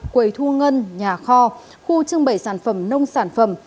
quầy thu ngân nhà kho khu trưng bày sản phẩm nông sản phẩm